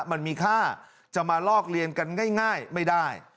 มันมีค่าจะมาลอกเรียนกันง่ายไม่ได้